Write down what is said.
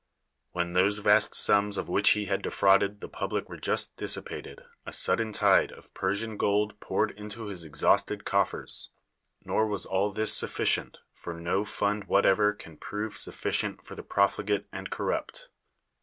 When those vast sums of which he had defraud ed the public were just dissipated, a sudden tide of Persian gold poured into his exhausted coffers; nor was all this sufficient for no fund whatever can prove sufficient for the profli gate and corrupt.